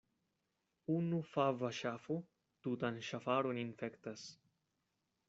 Unu fava ŝafo tutan ŝafaron infektas.